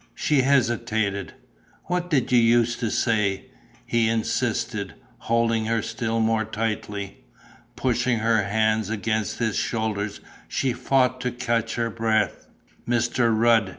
She hesitated. "What used you to say?" he insisted, holding her still more tightly. Pushing her hands against his shoulders, she fought to catch her breath: "My Rud!"